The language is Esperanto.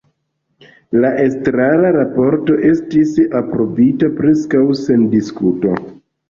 La estrara raporto estis aprobita preskaŭ sen diskuto.